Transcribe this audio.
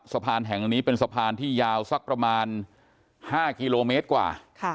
สะพานแห่งนี้เป็นสะพานที่ยาวสักประมาณ๕กิโลเมตรกว่า